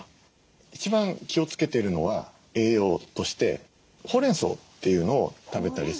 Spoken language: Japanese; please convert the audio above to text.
一番気をつけているのは栄養としてホウレンソウというのを食べたりするようにはしてます。